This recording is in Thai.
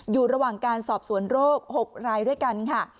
อยู่ระหว่างการสอบสวนโรค๖รายด้วยกันค่ะ